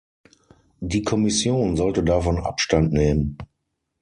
Die Kommission sollte davon Abstand nehmen.